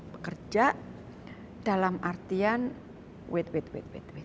bekerja dalam artian wait wait wait wait